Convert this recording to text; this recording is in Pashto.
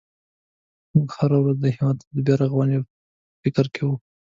موږ هره ورځ د هېواد د بیا رغونې په فکر کې وو.